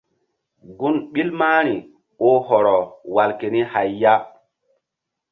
Gun ɓil mahri oh hɔrɔ wal keni hay ya.